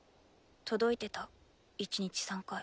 届いてた１日３回。